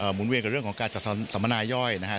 หมุนเวียนกับเรื่องของการจัดสัมพนายย่อย